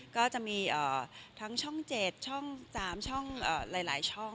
ก็จะมีทั้งช่อง๗ช่อง๓ช่องหลายช่อง